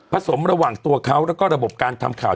สมระหว่างตัวเขาแล้วก็ระบบการทำข่าว